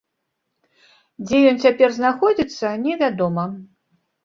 Дзе ён цяпер знаходзіцца, невядома.